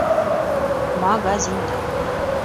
Магазинда